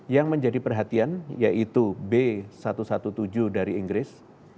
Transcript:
yang menjadi perhatian yaitu b satu ratus tujuh belas dari inggris